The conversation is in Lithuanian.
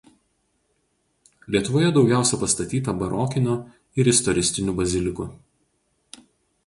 Lietuvoje daugiausia pastatyta barokinių ir istoristinių bazilikų.